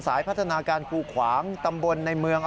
พัฒนาการกูขวางตำบลในเมือง